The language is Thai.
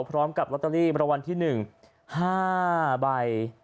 พร้อมกับลอตเตอรี่มรวรรณที่๑๕ใบ